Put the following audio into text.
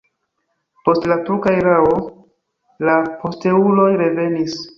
Post la turka erao la posteuloj revenis.